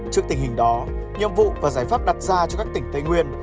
trước tình hình đó nhiệm vụ và giải pháp đặt ra cho các tỉnh tây nguyên